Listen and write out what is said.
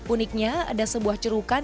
uniknya ada sebuah cerukan